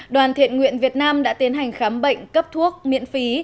đoàn thiện nguyện việt nam đã tiến hành khám bệnh cấp thuốc miễn phí